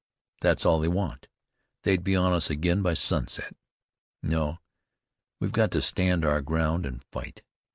That's all they want. They'd be on us again by sunset. No! we've got to stand our ground and fight.